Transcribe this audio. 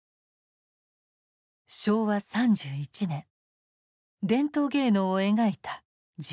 昭和３１年伝統芸能を描いた「地唄」。